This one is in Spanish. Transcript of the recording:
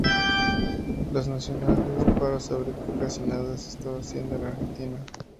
Los nacionales, para saber que casi nada se estaba haciendo en la Argentina.